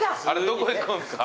どこ行くんすか？